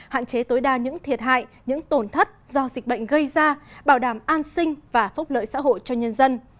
hạn chế tối đa những thiệt hại những tổn thất do dịch bệnh gây ra bảo đảm an sinh và phúc lợi xã hội cho nhân dân